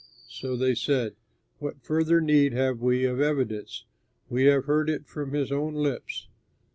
So they said, "What further need have we of evidence? We have heard it from his own lips."